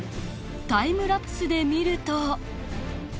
タイムラプスで見ると。